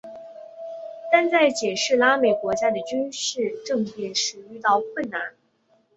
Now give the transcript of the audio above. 但在解释拉美国家的军事政变时遇到困难。